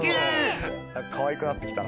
何かかわいくなってきたな。